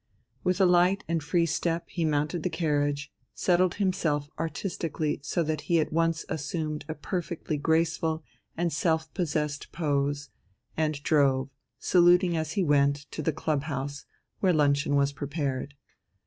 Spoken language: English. With a light and free step he mounted the carriage, settled himself artistically so that he at once assumed a perfectly graceful and self possessed pose, and drove, saluting as he went, to the clubhouse, where luncheon was prepared.